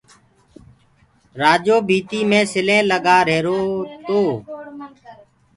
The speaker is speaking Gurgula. رآجو ڀيٚتيٚ مي سلينٚ لگآهيروئو